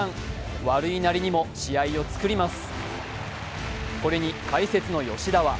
悪いなりにも試合を作ります。